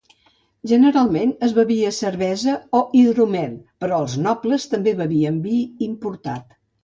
Generalment es bevia cervesa o hidromel, però els nobles també bevien vi importat.